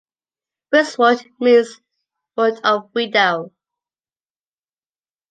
Witzwort means "Wurt of Wido".